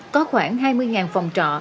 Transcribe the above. có khoảng hai mươi phòng trọ